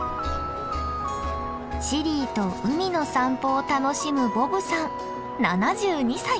シリーと海の散歩を楽しむボブさん７２歳。